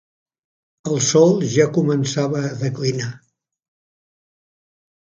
El sol ja començava a declinar.